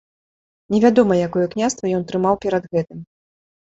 Невядома якое княства ён трымаў перад гэтым.